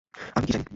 আমি কী জানি!